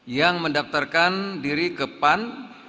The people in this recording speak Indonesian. yang mendaftarkan diri ke pan